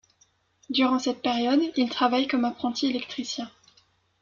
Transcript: Durant cette période, il travaille comme apprenti électricien.